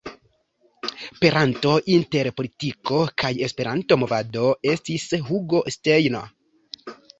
Peranto inter politiko kaj Esperanto-movado estis Hugo Steiner.